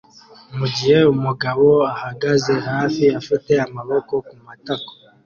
mugihe umugabo ahagaze hafi afite amaboko kumatako